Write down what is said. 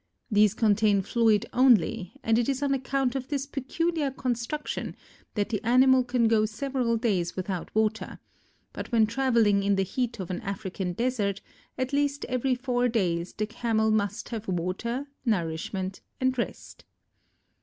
These contain fluid only and it is on account of this peculiar construction that the animal can go several days without water, but when traveling in the heat of an African desert, at least every four days, the Camel must have water, nourishment and rest.